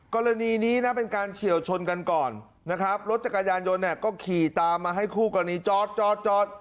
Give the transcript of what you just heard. กรณีนี้นะเป็นการเฉียวชนกันก่อนนะครับรถจักรยานยนต์เนี่ยก็ขี่ตามมาให้คู่กรณีจอดจอด